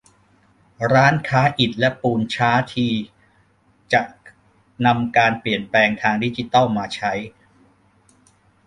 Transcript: ร้านค้าอิฐและปูนช้าทีจะนำการเปลี่ยนแปลงทางดิจิตอลมาใช้